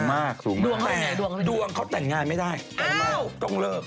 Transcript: แต่ดวงเขาแต่งงานไม่ได้ต้องเลิก